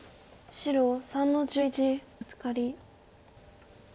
白３の十一ブツカリ。